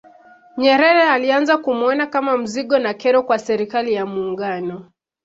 Nyerere alianza kumuona kama mzigo na kero kwa Serikali ya Muungano